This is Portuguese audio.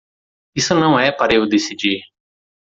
Isso não é para eu decidir.